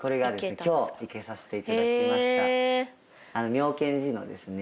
妙顕寺のですね